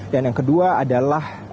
dan yang kedua adalah